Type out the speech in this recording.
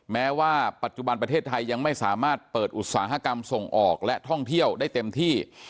แม้ว่าปัจจุบันประเทศไทยยังไม่สามารถเปิดอุตสาหกรรมส่งออกและท่องเที่ยวได้เต็มที่